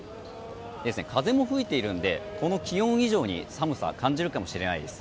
風も吹いているのでこの気温以上に寒さを感じるかもしれないです。